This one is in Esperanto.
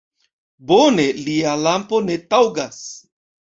Bone, lia lampo ne taŭgas!